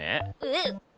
えっ？